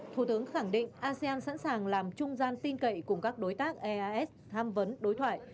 thủ tướng khẳng định asean sẵn sàng làm trung gian tin cậy cùng các đối tác eas tham vấn đối thoại